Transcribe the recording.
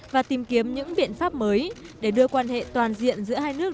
và tìm kiếm những biện pháp mới để đưa quan hệ toàn diện giữa hai nước